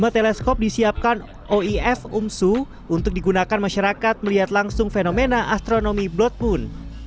lima teleskop disiapkan oif umsu untuk digunakan masyarakat melihat langsung fenomena astronomi blood moon